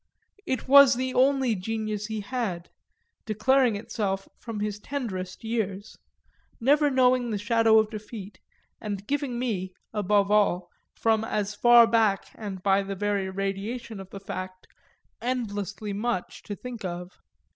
It was the only genius he had, declaring itself from his tenderest years, never knowing the shadow of defeat, and giving me, above all, from as far back and by the very radiation of the fact, endlessly much to think of.